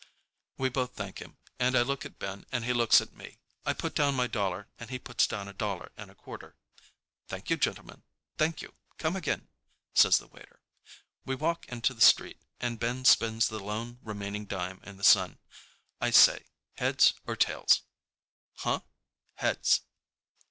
We both thank him, and I look at Ben and he looks at me. I put down my dollar and he puts down a dollar and a quarter. "Thank you, gentlemen, thank you. Come again," says the waiter. We walk into the street, and Ben spins the lone remaining dime in the sun. I say, "Heads or tails?" "Huh? Heads."